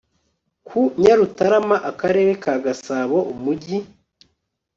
ku Nyarutarama Akarere ka Gasabo Umujyi